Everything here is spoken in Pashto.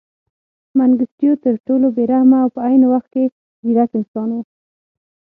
منګیسټیو تر ټولو بې رحمه او په عین وخت کې ځیرک انسان و.